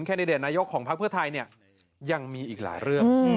แคนนาโยกของภักดิ์เพื่อไทยยังมีอีกหลายเรื่อง